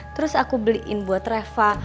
terus aku beliin buat reva